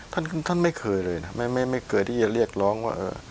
ท่านท่านไม่เคยเลยนะไม่เคยที่จะเรียกร้องว่า